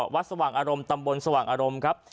สว่างอารมณ์ตำบลสว่างอารมณ์ครับ